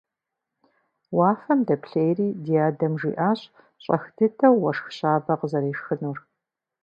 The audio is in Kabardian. Уафэм дэплъейри ди адэм жиӏащ щӏэх дыдэу уэшх щабэ къызэрешхынур.